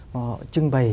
họ trưng bày